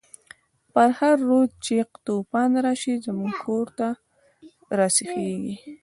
په هر رود چی توفان راشی، زمونږ کور ته راسیخیږی